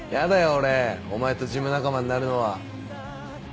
俺お前とジム仲間になるのは。